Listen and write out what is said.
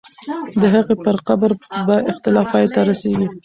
د هغې پر قبر به اختلاف پای ته رسېږي.